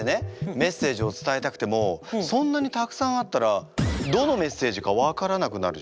メッセージを伝えたくてもそんなにたくさんあったらどのメッセージか分からなくなるじゃない。